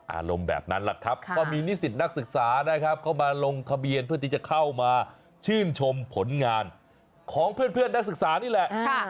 อารมณ์แบบนั้นแหละครับก็มีนิสิตนักศึกษานะครับเข้ามาลงทะเบียนเพื่อที่จะเข้ามาชื่นชมผลงานของเพื่อนนักศึกษานี่แหละ